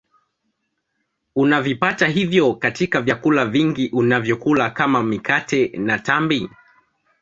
Unavipata hivyo katika vyakula vingi unavyokula kama mikate na tambi